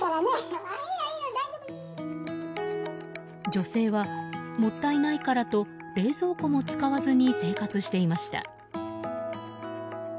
女性はもったいないからと冷蔵庫も使わずに生活していました。